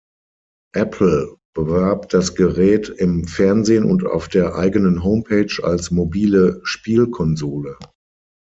Apple bewarb das Gerät im Fernsehen und auf der eigenen Homepage als „mobile Spielkonsole“.